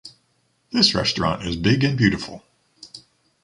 This restaurant is big and beautiful.